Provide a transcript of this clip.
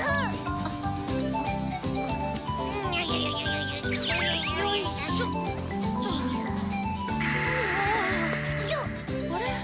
あれ？